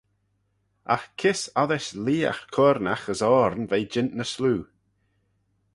Agh kys oddys leagh curnaght as oarn ve jeant ny sloo?